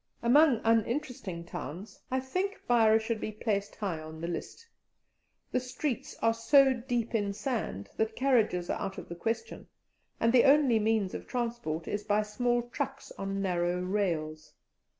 Among uninteresting towns, I think Beira should be placed high on the list; the streets are so deep in sand that carriages are out of the question, and the only means of transport is by small trucks on narrow rails.